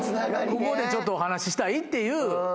ここでちょっとお話ししたいっていう。